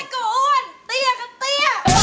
ขออ้วนเตี้ยกันเตี้ย